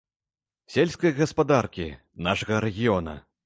Сельскай гаспадаркі, нашага рэгіёна.